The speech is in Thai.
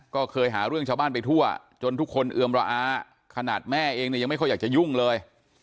ก็เคยหาเรื่องชาวบ้านไปทั่วจนทุกคนเอือมระอาขนาดแม่เองเนี่ยยังไม่ค่อยอยากจะยุ่งเลย